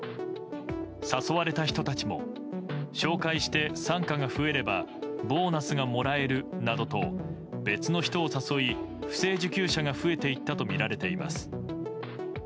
誘われた人たちも紹介して傘下が増えればボーナスがもらえるなどと別の人を誘い不正受給者が増えていったとみられています。